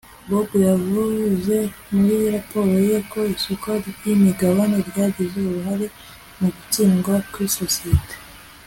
Bobo yavuze muri raporo ye ko isoko ryimigabane ryagize uruhare mu gutsindwa kwisosiyete